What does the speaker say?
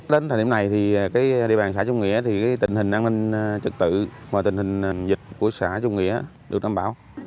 đến thời điểm này thì địa bàn xã trung nghĩa thì tình hình an ninh trực tự mà tình hình dịch của xã trung nghĩa được đảm bảo